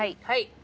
はい！